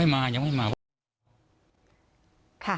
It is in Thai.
อีก๒๓วันคงยังไม่มา